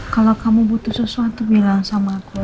kalau kamu butuh sesuatu bilang sama aku